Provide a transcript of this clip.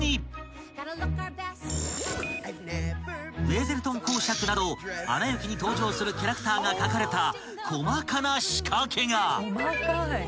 ［ウェーゼルトン公爵など『アナ雪』に登場するキャラクターが描かれた細かな仕掛けが］